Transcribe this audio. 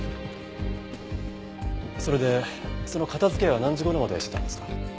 それでその片付けは何時頃までしてたんですか？